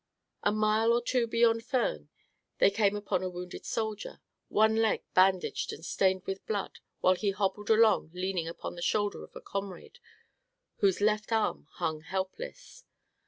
A mile or two beyond Furnes they came upon a wounded soldier, one leg bandaged and stained with blood while he hobbled along leaning upon the shoulder of a comrade whose left arm hung helpless.